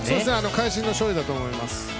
会心の勝利だと思います。